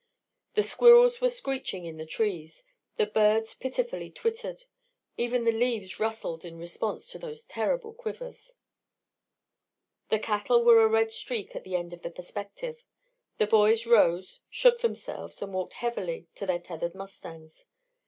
The squirrels were screeching in the trees. The birds pitifully twittered. Even the leaves rustled in response to those terrible quivers. The cattle were a red streak at the end of the perspective. The boys rose, shook themselves, and walked heavily to their tethered mustangs.